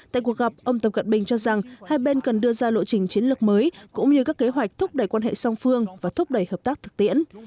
tại cuộc gặp ông tập cận bình cho rằng hai bên cần đưa ra lộ trình chiến lược mới cũng như các kế hoạch thúc đẩy quan hệ song phương và thúc đẩy hợp tác thực tiễn